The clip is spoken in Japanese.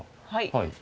はい。